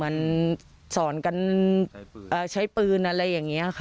มันสอนกันใช้ปืนอะไรอย่างนี้ค่ะ